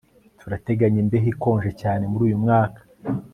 Turateganya imbeho ikonje cyane muri uyu mwaka